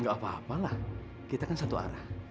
gak apa apa lah kita kan satu arah